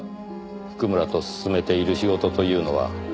譜久村と進めている仕事というのは。